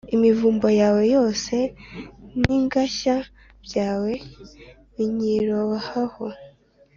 imivumba yawe yose n’ingashya byawe binyirohaho.